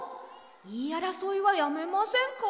いいあらそいはやめませんか？